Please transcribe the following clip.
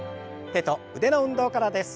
手と腕の運動からです。